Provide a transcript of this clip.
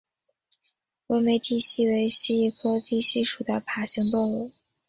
峨眉地蜥为蜥蜴科地蜥属的爬行动物。